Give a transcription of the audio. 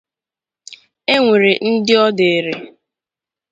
E nwere ndị ọ dịịrị